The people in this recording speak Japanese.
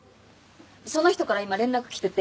その人から今連絡きてて。